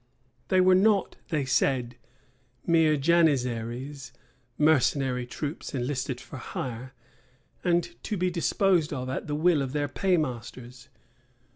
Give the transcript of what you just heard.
They were not, they said, mere janizaries; mercenary troops enlisted for hire, and to be disposed of at the will of their paymasters.